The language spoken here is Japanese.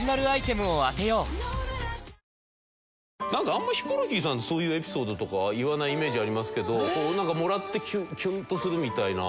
あんまりヒコロヒーさんってそういうエピソードとか言わないイメージありますけどなんかもらってキュンとするみたいな。